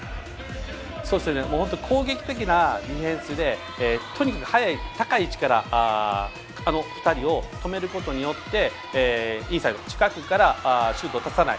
攻撃的なディフェンスでとにかく早く、高い位置からあの２人を止めることによってインサイド、近くからシュートを打たさない。